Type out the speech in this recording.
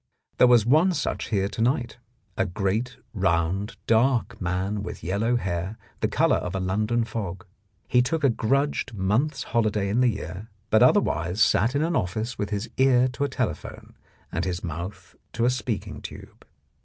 There was one such here to night, a great, round, dark man with yellow hair, the colour of a London fog. He took a grudged month's holiday in the year, but otherwise sat in an office with his ear to a tele phone and his mouth to a speaking tube.